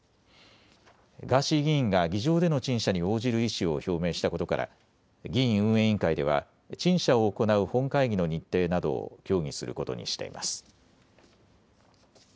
ガーシー議員が議場での陳謝に応じる意思を表明したことから議院運営委員会では陳謝を行う本会議の日程などを協議することにしています。